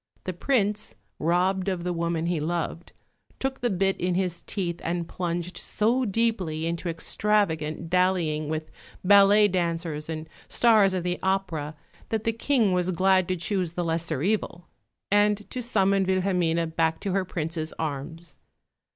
The Prince, robbed of the woman he loved, took the bit in his teeth, and plunged so deeply into extravagant dallying with ballet dancers and stars of the opera that the King was glad to choose the lesser evil, and to summon Wilhelmine back to her Prince's arms.